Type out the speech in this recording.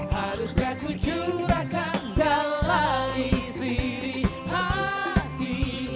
haruskah ku curahkan dalam isi hati